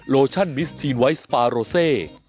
โลชั่นมิสทีนไวท์สปาโรเซ